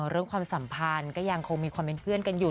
ความสัมพันธ์ก็ยังคงมีความเป็นเพื่อนกันอยู่